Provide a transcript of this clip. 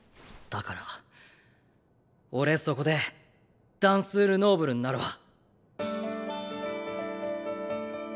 だから俺そこでダンスール・ノーブルになるわ。